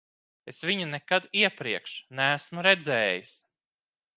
Es viņu nekad iepriekš neesmu redzējis.